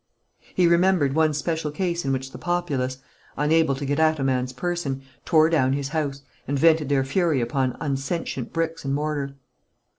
He remembered one special case in which the populace, unable to get at a man's person, tore down his house, and vented their fury upon unsentient bricks and mortar.